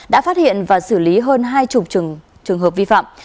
đã phát hiện và xử lý hơn hai chục trường hợp vi phạm